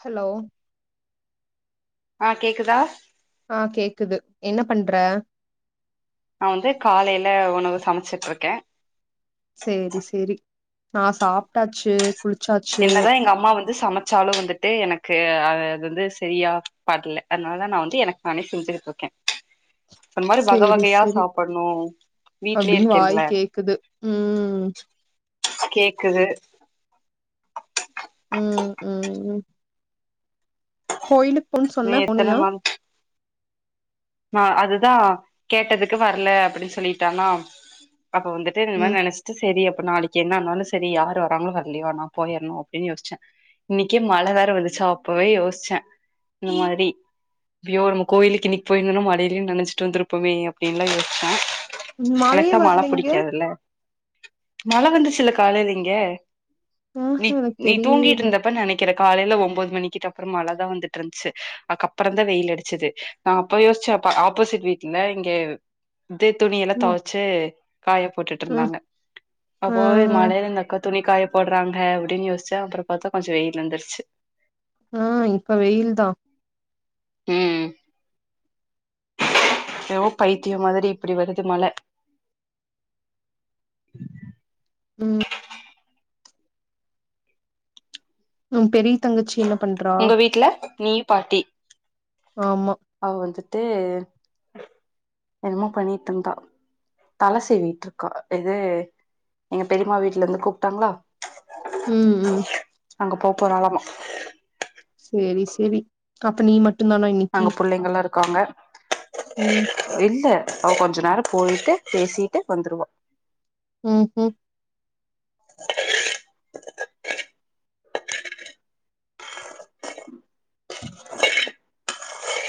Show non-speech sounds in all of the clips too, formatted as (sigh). Hello ஆ கேக்குதா? ஆ கேக்குது என்ன பண்ற? நான் வந்து காலையில உணவு சமைச்சிட்டு இருக்கே செரி செரி நான் சாப்ட்டாச்சு. குளிச்சாச்சு என்னதான் எங்க அம்மா வந்து சமச்ச ச்சாலும் வந்துத்து எனக்கு அ அது வந்து சரியா படலை அதனால நா வந்து எனக்கு நானே செஞ்சுக்கிட்டு இருக்கே (inaudible) அந்த மாரி வகை வகையா சாப்புண்ணோ அப்பிடின்னு வாய் கேக்குது ம் கேக்குது ம் ம் ம் கோயிலுக்கு போணோ நீ சொன்ன எத்தன போணியா? அ அதுதான் கேட்டதுக்கு வரல அப்பிடின்னு சொல்லிட்டானா அப்ப வந்து சேரி இந்த மாரி ம் நனைச்சுட்டு செரி அப்ப நாளைக்கு என்ன ஆனாலும் செரி யாரும் வராங்களோ வரலையோ நான் போயிற்ணோ அப்படின்னு யோசிச்சே இன்னிக்கே மழை வேற வந்துச்சா அப்பவே யோசிச்சே இந்த மாரி அய்யோ நம்ம கோயிலுக்கு இன்னி போயிந்தோனா மழையிலியு நெனசிட் வந்திருப்போமே அப்டின்லா யோசிச்சே எனக் மழையே தா மழ வரல இங்க புடிக்காதுல்ல மழ வந்துச்சுல காலைல இங்க ஆஹ நீ எனக்கு நீ தெரியவே தூங்கிட்டு இல்ல இருந்தப்ப நெனைக் கிற காலைல ஒன்பது மணிக்கிட்ட அப்புறோ மழதா வந்துட்டு இருந்ச்சு அதுக்கப்புறோ தா வெயில் அடிச்சது நா அப்ப யோசிச்சே அப்ப ஆப்போசிட் வீட்ல இங்க இது துணி எல்லா ம் துவச்சு காயப்போட்டுட்டு இருந்தாங்க (inaudible) அப்போவே மழையில இந்தக்கா துணி காய போடுறாங்க அப்பிடின்னு யோசிச்சேன் அப்புறம் பாத்தா கொஞ்சம் வெயில் வந்துருச்சு ஆ இப்ப வெயில் தான் ஹே ஏவோ பைத்தியம் மாரி இப்பிடி வருது மழை ம் உ பெரிய தங்கச்சி என்ன பண்றா உங்க வீட்ல நீயு பாட்டி ஆமா அவ வந்துட்டு என்னமோ பண்ணிட்டு இருந்தா தலை சீவிட்டு இருக்கா இது எங்க பெரிம்மா வீட்ல இருந்து கூப்ட்டாங்களா ம் ம் அங்க போ போறாலமா செரி செரி அப்ப நீ மட் அங்க புள்ளைங்கல்லா இருக்காங்க ம் இல்ல அவ கொஞ்ச நேர போயிட்டு பேசிட்டு வந்துருவா ம் ஹூ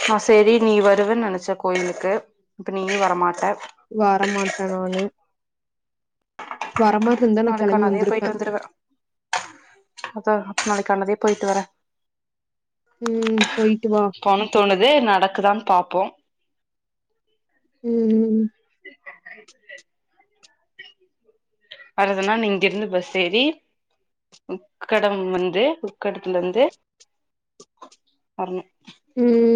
நா செரி நீ வருவன் நெனச்ச கோயிலுக்கு இப்ப நீயு வரமாட்டே வரமாட்ட நானு வர மார் இருந்தா நா கெளம்பி வந்திருப்பே அத அத் நாளைக் கானதே போயிட்டு வர ம் போயிட்டு வா போனு தோணுது நடக்குதான் பார்ப்போ ம் ம் வறதுனா இங்கிருந்து பஸ் ஏறி உக்கடம் வந்து உக்கடத்துலந்து வர்ணு ம்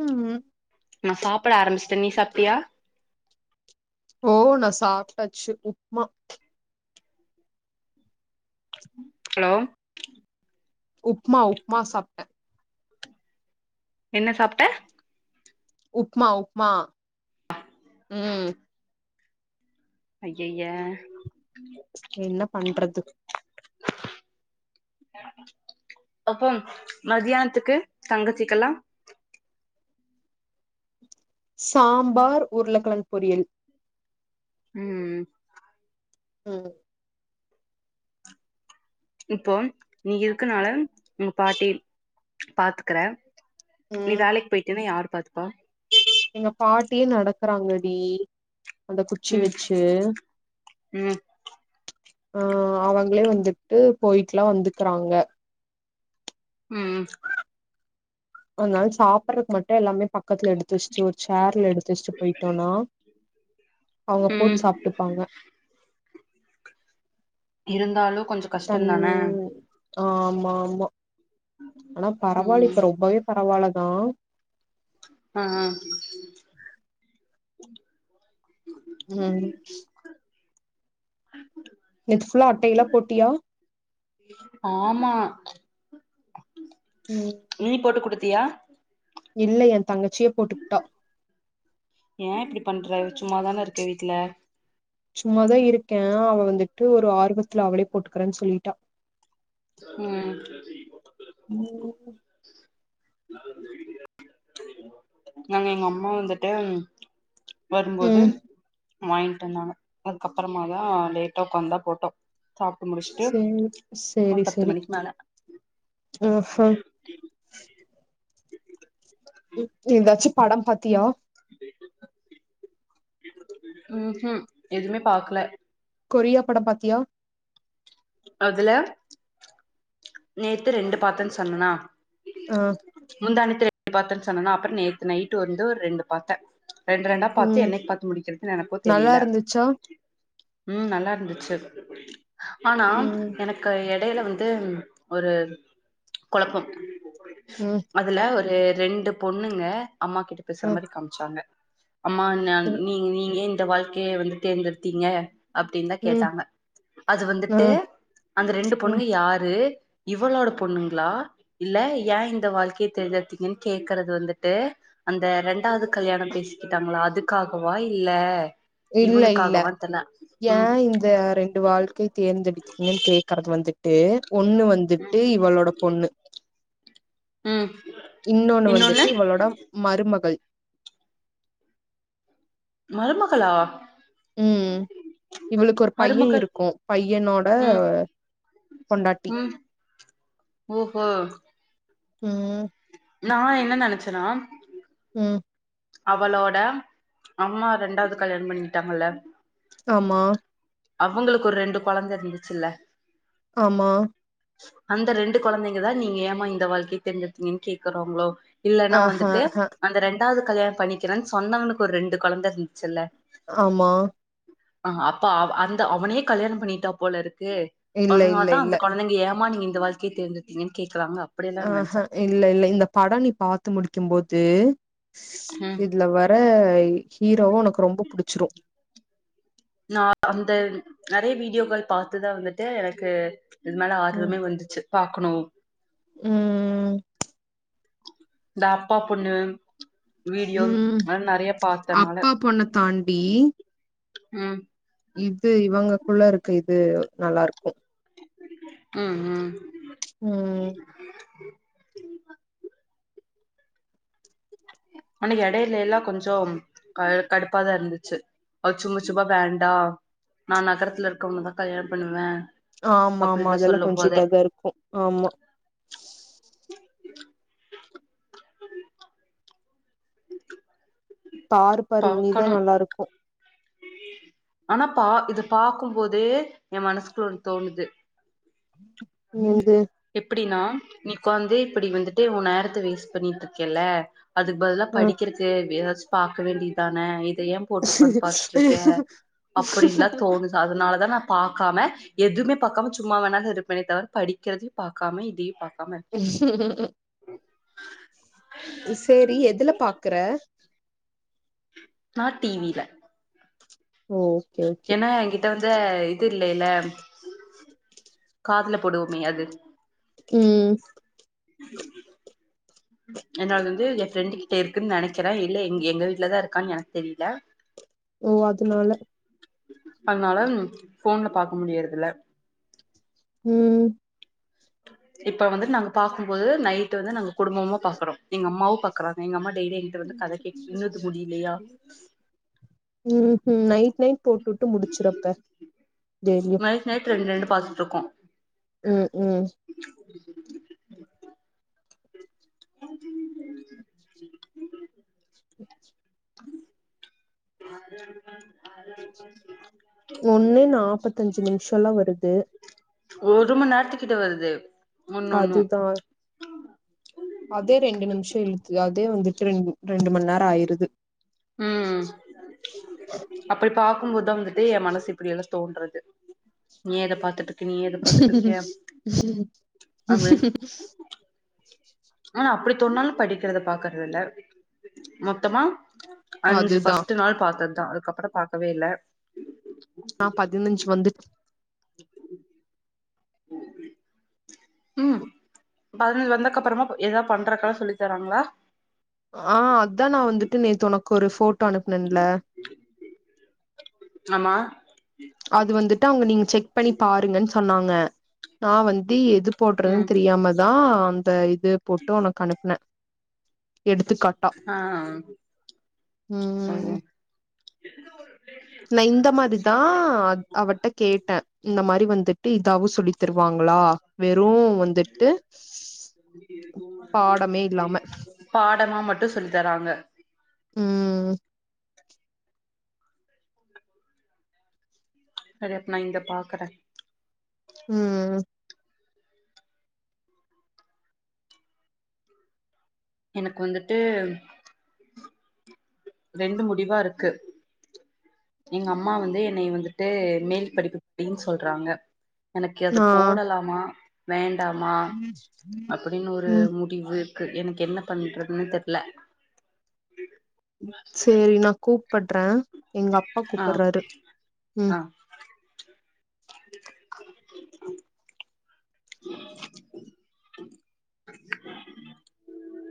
ம் நா சாப்பட ஆரம்பிச்சிட்டே நீ சாப்ட்டியா ஓ நா சாப்ட்டாச்சு உப்மா ஹலோ உப்மா உப்மா சாப்ட்டே என்ன சாப்ட்ட உப்மா உப்மா ம் ஐயைய என்ன பண்றது அப்போ மத்யான்த்துக்கு தங்கச்சிக்கல்லா சாம்பார் உருளக்கிழங்கு பொரியல் ம் ம் இப்போ நீங்க இருக்கனால உங்க பாட்டி பாத்துக்ற நீ ம் வேலைக் போய்டின்னா யார் பாத்துப்பா எங்க பாட்டியே நடக்கறாங்கடி அந்த குச்சி ம் வச்சு ம் ஆ அவங்களே வந்துட்டு போயிட்டுல்லா வந்துக்றாங்க ம் அதனால சாப்பட்றக்கு மட்டு எல்லாமே பக்கத்துல எடுத்து வச்சுட்டு ஒரு சேர்ல எடுத்து வச்சட்டு போயிட்டோனா அவுங்க போட்டு ம் சாப்ட்டுப்பாங்க இருந்தாலு கொஞ்ச கஷ்டந்தான ஆ ஆமா ஆமா ஆனா பரவாயில்ல ம் இப்ப ரொம்பவே பரவாயில்லதா ஆ ம் நேத் ஃபுல்லா அட்டை எல்லா போட்டியா ஆமா ம் நீ போட்டு குடுத்தியா இல்ல எ தங்கச்சியே போட்டுக்ட்டா ஏ இப்டி பண்ற சும்மாதான இருக்கே வீட்ல சும்மாதா இருக்கே அவ வந்துட்டு ஒரு ஆர்வத்துல அவளே போட்டுக்குறன் சொல்லிட்டா ம் நீங்க என்ன நா (unintelligible) நாங்க எங்க அம்மா வந்துட்டு வரும்போது ம் வாய்ன்ட்டு வந்தாங்க அதுக்கப்புறமாதா லேட்டா ஒக்காந்தா போட்டோ சாப்ட்டு முடிஷ் சேர் சேரி சேரி ஆஹ ஏதாச்சு படம் பாத்தியா ம்ஹும் எதுமே பாக்ல கொரியா படம் பாத்தியா அதுல நேத்து ரெண்டு பாத்தன் சொன்னனா ஆ முந்தா நேத்து ரெண்டு பாத்தன் சொன்னனா அப்புறோ நேத்து நைட்டு வந்து ஒரு ரெண்டு பாத்த ரெண்டு ரெண்டா பாத்து ம் என்னைக்கு பாத்து முடிக்கற்துன்னு எனக்கு நல்லா தெரில இருந்துச்சா ம் நல்லா இருந்துச்சு ஆனா ம் எனக்கு எடைல வந்து ஒரு கொலப்பம் ம் அதுல ஒரு ரெண்டு பொண்ணுங்க அம்மா கிட்ட பேசுற ஆ மாரி காம்ச்சாங்க அம்மா நா நீ நீங்க ஏ இந்த வாழ்க்கைய வந்து தேர்ந்தெடுத்தீங்க அப்பிடின்தா ம் கேட்டாங்க அது ஆ வந்துட்டு அந்த ரெண்டு ம் பொண்ணுங்க யாரு இவளோட பொண்ணுங்களா இல்ல ஏ இந்த வாழ்க்கைய தேர்ந்தெடுத்தீங்கன்னு கேக்கறது வந்துட்டு அந்த ரெண்டாவது கல்யாணோ பேசிக்கிட்டாங்களா அதுக்காகவா இல்ல இவனுக்காகவா தெர்ல ம் ந்து ரெண்டு வாழ்க்கைய தேர்ந்தெடுத்துட்டிங்கன் கேக்கர்து வந்துட்டு ஒன்னு வந் துட்டு இவளோட பொண்ணு ம் இன்னொன்னு வந்துட்டு இவளோட மருமகள் மருமகளா ம் ம் இவளுக்கு ஒரு பைய மருமகள் இருக்கு பையனோட ம் பொண்டாட்டி ம் ஓஹோ ம் நா என்ன நெனச்சன்னா ம் அவளோட அம்மா ரெண்டாவ்து கல்யாணம் பண்ணிகிட்டாங்கல்ல ஆமா அவுங்களுக்கு ஒரு ரெண்டு கொழந்த இருந்துச்சுல்ல ஆமா அந்த ரெண்டு கொழந்தைங்கதா நீங்க ஏமா இந்த வாழ்க்கை தேர்ந்தெடுத்தீங்கன் கேக்குறாங்ளோ இல்லன்னா ஆஹா வந்துட்டு ஹ அந்த ரெண்டாவது கல்யாண் பணிக்கிறேன் சொன்னவனுக்கு ஒரு ரெண்டு கொழந்த இருந்ச்சுல்ல ஆமா ஆ அப்ப அவ் அந்த அவனையே கல்யாணம் பண்ணிட்டா போலருக்கு இல்ல இல்ல அதனாலதா இல்ல அந்த கொழந்தைங்க ஏம்மா நீங்க இந்த வாழ்க்கைய தேர்ந்தெடுத்தீங்கன் கேக்கறாங்க ஆஹ இல்ல இல்ல இந்த பட நீ பாத்து முடிக்கும்போது ம் இதுல வர் ற ஹீரோவு உனக்கு ரொம்ப புடிச்சிரு நா அந்த நறைய வீடியோக்கள் பாத்துதா வந்துட்டு எனக்கு இது மேல ம் ஆர்வமே வந்துச்சு பாக்கணு ம் இந்த அப்பா பொண்ணு வீடியோ ம் அது நறைய பாத்தனால அப்பா பொண்ண தாண்டி ம் இது இவங்கக்குள்ள இருக்கு இது நல்லா இரு ம் ம் ம் அன்னைக்கு எடையிலல்லா கொஞ்சோம் க கடுப்பாதா இருந்துச்சு அவ சும்மா சும்மா வேண்டா நா நகரத்துல இருக்குறவங்களதா கல்யாணம் பண்ணுவே ஆமா ஆமா அப்டின்லா அதெல்லா சொல்லும் கொஞ்சோ போதே இதாதா இருக்கு ஆமா டார் பாக்கணு ஆனா பா இது பாக்கும் போது எ மனஸ்குள் தோணுது இது எப்படினா நீ உக்கார்ந்து இப்படி வந்துட்டு உ நேரத்த வேஸ்ட் பண்ணிட்ருக்கேல்ல அதுக் பதிலா ஆ படிக்கிறக்கு எதாச்சு பாக்க வேண்டிதானே இத ஏ போட்டு உக்காந் பாத்துட்ருக்கே அப்படின்லா தோணுது அதனாலதா நா பாக்காம எதும்மே பாக்காம சும்மா வேணாது இருப்பேனே தவிர படிக்கறது பாக்காம இதையு பாக் சரி எதுல பாக்கற நா டி வி ல ஓ! ஓகே ஓகே ஏனா இங்க ட்ட வந்து இது இல்லைல்ல காதுல போடுவோமே அது ம் என்னோடது வந்து எ ஃப்ரெண்டு கிட்ட இருக்குன் நனைக்கிறே இல்ல எங் எங்க வீட்லதா இருக்கான் எனக் தெரியில எ அதனால அன்னால ஃபோன்ல பாக்க முடியருதுல ம் இப்ப வந்து நாங்க பாக்கும்போது நைட்டு வந்து நாங்க குடும்பமா பாக்கறோ எங்க அம்மாவு பாக்கறாங்க எங்கம்மா டெய்லி எ கிற வந்து கத கேக் இன்னுது முடிலியா ம் ம் நைட் நைட் போட்வுட்டு முடிச்சுரு அப்ப டெய்லியு நைட் நைட் ரெண்டு ரெண்டு பாத்துட்டு இருக்கோ ம் ம் ஒன்னு நாப்பத்தஞ்சு நிமிஷல்லா வருது ஒரு மண் நேரத்துக்கிட்ட வருது ஒன்னு ஒன்னு அதுதா அதே ரெண்டு நிமிஷ இழுத்து அதே வந்துட்டு ரெண் ரெண்டு மண் நேர ஆயிருது ம் அப்படி பாக்கும்போதுதா வந்துட்டு என் மனசு இப்படியெல்லா தோன்றது ஏ அத பாத்துட்டு இனி ஏ அத பாத்துட்டு கேப் அம ஆனா அப்படி தொன்னாலு படிக்கிறத பாக்கறதுல்ல மொத்தமா அஞ்சு அதுதான் ஃர்ஸ்ட் நாள் பாத்தது தா அதுக்கப்புற பாக்கவே இல்ல நா பதினஞ்சு வந்துட் ம் பதினஞ்சு வந்தக்கப்றமா எதா பண்றக்கல்லா சொல்லித்தராங்களா ஆ அதா நா வந்துட்டு நேத்து உனக்கொரு ஃபோட்டோ அனுப்பனன்ல ஆமா அது வந்துட்டு அவுங்க நீங் செக் பண்ணி பாருங்கன் சொன்னாங்க நா வந்து எது ம் போற்றதுன் தெரியாமதா அந்த இது போட்டு உனக் அனுப்னே எடுத்துக்கா ஆ ம் நா இந்த மாரிதா அவட்ட கேட்ட இந்த மாரி வந்து ட்டு இதாவு சொல்லித் தருவாங்ளா வெறு வந் ந்துட்டு பாடமே இல்லாம பாடமா மட்டு சொல்லி தராங்க ம் சரி அப்ப நா இந்த பாக்கற ம் எனக்கு வந்துட்டு ரெண்டு முடிவா இருக்கு எங்க அம்மா வந்து என்னை வந்துட்டு மேல் படிப்பு படின் சொல்றாங்க எனக்கு அது ஆ போடலாமா வேண்டாமா அப்டினு ஒரு ம் முட் முடிவு இருக்கு எனக்கு என்ன பண்றதுனு தெர்ல சேரி நா கூப்பட்ற எங்கப்பா ஆ கூப்பறாரு ம் ஆ